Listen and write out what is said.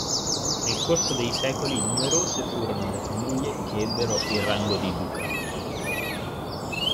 Nel corso dei secoli numerose furono le famiglie che ebbero il rango di duca.